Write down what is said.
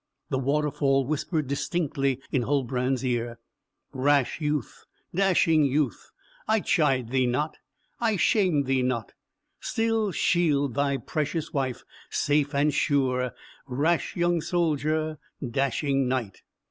The waterfall whispered distinctly in Huldbrand's ear, "Rash youth, dashing youth, I chide thee not, I shame thee not; still shield thy precious wife safe and sure, rash young soldier, dashing Knight!"